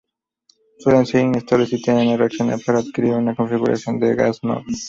Suelen ser inestables y tienden a reaccionar para adquirir una configuración de gas noble.